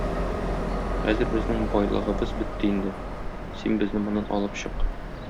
Хәзер безнең байлыгыбыз бетте инде, син безне моннан алып чык.